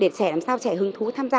để trẻ làm sao trẻ hứng thú tham gia